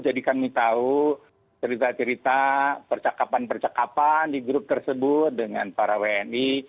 jadi kami tahu cerita cerita percakapan percakapan di grup tersebut dengan para wni